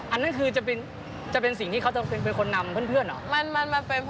อันนั้นคือจะเป็นสิ่งที่เขาจะเป็นคนนำเพื่อนเหรอ